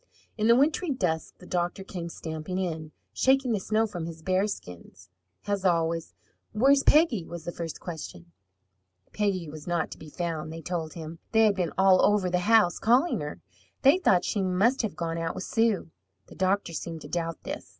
In the wintry dusk the doctor came stamping in, shaking the snow from his bearskins. As always, "Where's Peggy?" was his first question. Peggy was not to be found, they told him. They had been all over the house, calling her. They thought she must have gone out with Sue. The doctor seemed to doubt this.